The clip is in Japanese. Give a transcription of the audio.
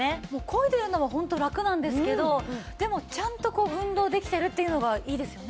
漕いでるのがホントラクなんですけどでもちゃんとこう運動できてるっていうのがいいですよね。